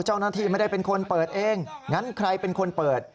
เจ้าหน้าที่ไม่ได้เป็นคนเปิดเองงั้นใครเป็นคนเปิด